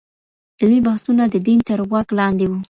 علمي بحثونه د دين تر واک لاندې وو.